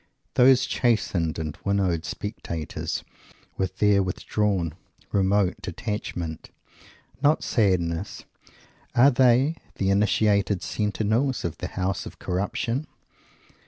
Those chastened and winnowed spectators, with their withdrawn, remote detachment not sadness are they the initiated sentinels of the House of Corruption?